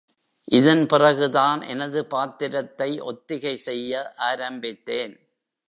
இதன் பிறகுதான் எனது பாத்திரத்தை ஒத்திகை செய்ய ஆரம்பித்தேன்.